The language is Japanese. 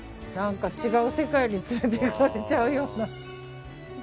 何か違う世界に連れていかれちゃうような。